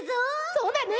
そうだね。